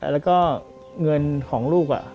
แล้วก็เงินของลูก